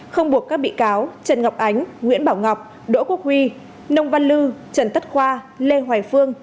không buộc các bị cáo trần ngọc ánh nguyễn bảo ngọc đỗ quốc huy nông văn lư trần tất khoa lê hoài phương